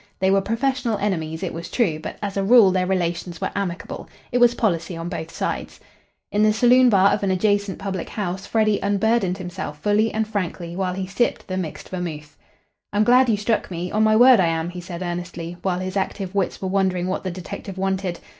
They were professional enemies, it was true, but as a rule their relations were amicable. It was policy on both sides. In the saloon bar of an adjacent public house, Freddy unburdened himself fully and frankly while he sipped the mixed vermuth. "I'm glad you struck me on my word I am," he said earnestly, while his active wits were wondering what the detective wanted.